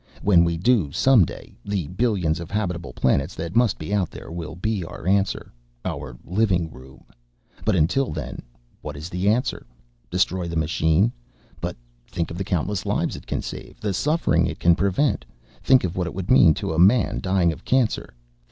When we do, someday, the billions of habitable planets that must be out there will be our answer ... our living room. But until then, what is the answer? "Destroy the machine? But think of the countless lives it can save, the suffering it can prevent. Think of what it would mean to a man dying of cancer.